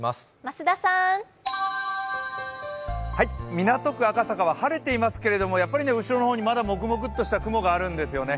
港区赤坂は晴れていますけれども、やっぱり後ろの方にもくもくっとした雲があるんですよね。